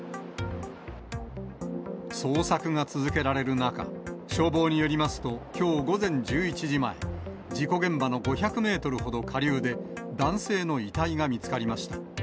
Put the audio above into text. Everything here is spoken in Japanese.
捜索が続けられる中、消防によりますと、きょう午前１１時前、事故現場の５００メートルほど下流で男性の遺体が見つかりました。